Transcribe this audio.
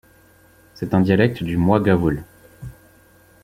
C'est un dialecte du mwaghavul.